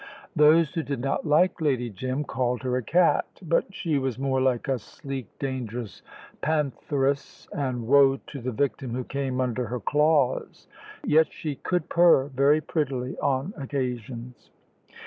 Those who did not like Lady Jim called her a cat; but she was more like a sleek, dangerous pantheress, and woe to the victim who came under her claws. Yet she could purr very prettily on occasions.